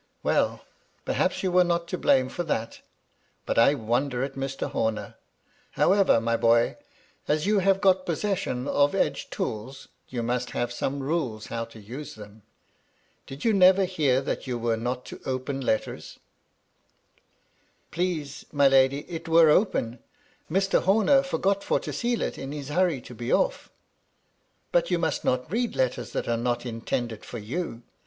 " Well I perhaps you were not to blame for that. But I wonder at Mr. Horner. However, my boy, as you have got possession of edge tools, you must have some rules how to use them. Did you never hear that you were not to open letters ?" MY LADY LUDLOW. 91 "Please, my lady, it were open. Mr. Horner forgot for to seal it, in his hurry to be oflF." "But you must not read letters that are not in tended for you.